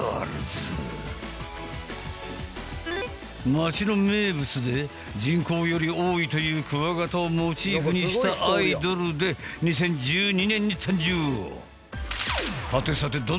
町の名物で人口より多いというクワガタをモチーフにしたアイドルで２０１２年に誕生。